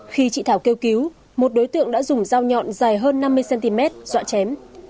khi chị thảo kêu cứu một đối tượng đã dùng dao nhọn dài hơn năm mươi cm dọa chém